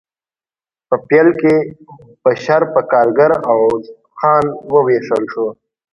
په پیل کې بشر په کارګر او خان وویشل شو